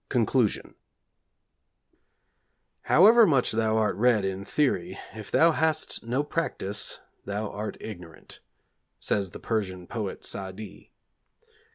VI CONCLUSION 'However much thou art read in theory, if thou hast no practice thou art ignorant,' says the Persian poet Sa'di.